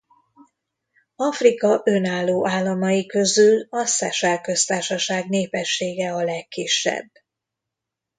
Afrika önálló államai közül a Seychelle Köztársaság népessége a legkisebb.